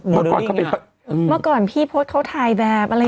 เมื่อก่อนเขาเป็นอืมเมื่อก่อนพี่โพสต์เขาถ่ายแบบอะไรอย่างนี้